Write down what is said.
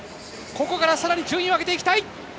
さらに順位を上げていきたい。